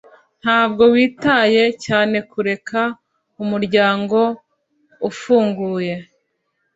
Ntabwo witaye cyane kureka umuryango ufunguye.